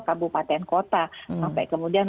kabupaten kota sampai kemudian